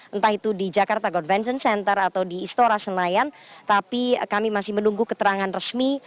entah itu di jakarta convention center atau di istora senayan tapi kami masih menunggu keterangan resmi